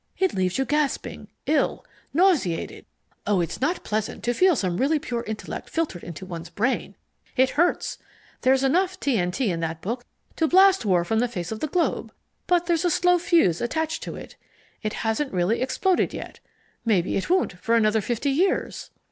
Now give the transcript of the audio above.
It leaves you gasping, ill, nauseated oh, it's not pleasant to feel some really pure intellect filtered into one's brain! It hurts! There's enough T. N. T. in that book to blast war from the face of the globe. But there's a slow fuse attached to it. It hasn't really exploded yet. Maybe it won't for another fifty years.